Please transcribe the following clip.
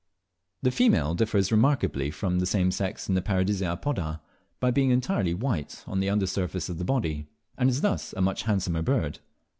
The female differs remarkably front the same sex in Paradisea apoda, by being entirely white on the under surface of the body, and is thus a much handsomer bird.